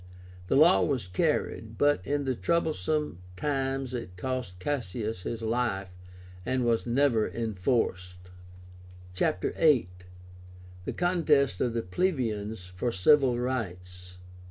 The law was carried, but in the troublesome times it cost Cassius his life, and was never enforced. CHAPTER VIII. THE CONTEST OF THE PLEBEIANS FOR CIVIL RIGHTS.